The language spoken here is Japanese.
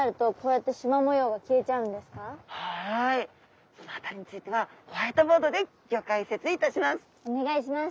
はいその辺りについてはホワイトボードでギョ解説いたします。